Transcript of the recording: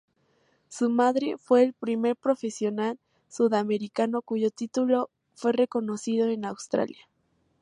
Su madre fue el primer profesional sudamericano cuyo título fue reconocido en Australia.